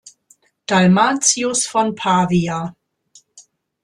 Dalmatius von Pavia.